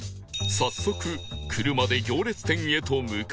早速車で行列店へと向かう